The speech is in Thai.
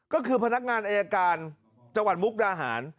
ก็คือพนักงานอายการจังหวัดมุกดาหาร